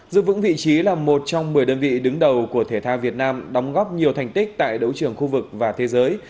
giữ vững vị trí là một trong một mươi đơn vị đứng đầu của thể thao việt nam đóng góp nhiều thành tích tại đấu trường khu vực và thế giới